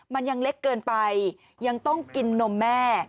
มันยังเล็กเกินไปยังต้องกินนมแม่